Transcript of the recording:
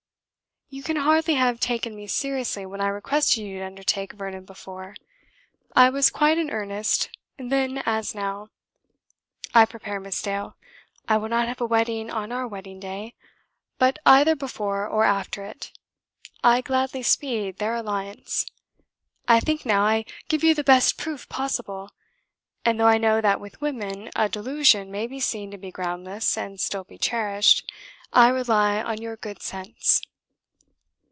You can hardly have taken me seriously when I requested you to undertake Vernon before. I was quite in earnest then as now. I prepare Miss Dale. I will not have a wedding on our wedding day; but either before or after it, I gladly speed their alliance. I think now I give you the best proof possible, and though I know that with women a delusion may be seen to be groundless and still be cherished, I rely on your good sense."